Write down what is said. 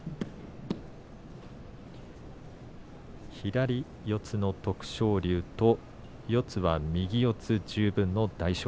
左四つの徳勝龍と四つは右四つ十分の大翔鵬。